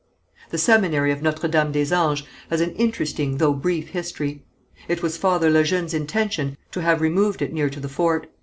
The seminary of Notre Dame des Anges has an interesting though brief history. It was Father Le Jeune's intention to have removed it near to the fort.